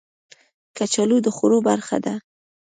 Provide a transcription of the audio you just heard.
کچالو د خوړو برخه ده